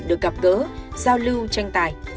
được gặp gỡ giao lưu tranh tài